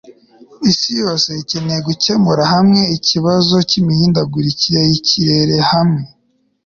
isi yose ikeneye gukemura hamwe ikibazo cy'imihindagurikire y'ikirere hamwe